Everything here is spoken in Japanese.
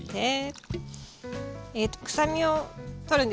えっと臭みを取るんですよね？